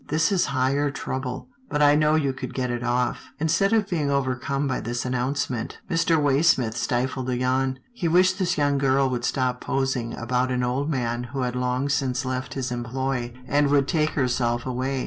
This is higher trouble, but I know you could get it off." Instead of being overcome by this announcement, Mr. Waysmith stifled a yawn. He wished this young girl would stop prosing about an old man who had long since left his employ, and would take herself away.